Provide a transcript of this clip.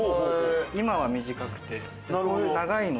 今は短くて。